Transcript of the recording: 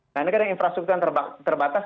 nah ini karena infrastruktur yang terbatas